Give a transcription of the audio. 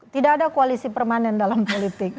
tidak ada koalisi permanen dalam politik